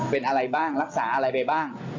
เป็นอะไรบ้างรักษาอะไรไปบ้าง